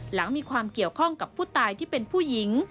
หลังมีความเกี่ยวข้องกับผู้ตายที่เป็นผู้หญิง